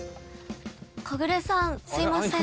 コグレさんすいません。